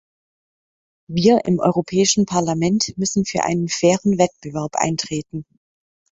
Wir im Europäischen Parlament müssen für einen fairen Wettbewerb eintreten.